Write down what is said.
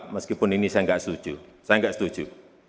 meskipun ini saya enggak setuju